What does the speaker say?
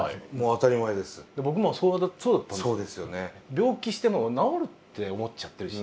病気しても治るって思っちゃってるし。